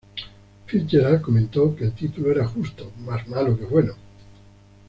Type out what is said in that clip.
Fitzgerald comentó que "el título era justo, más malo que bueno".